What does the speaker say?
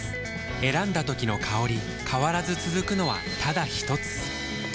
選んだ時の香り変わらず続くのはただひとつ？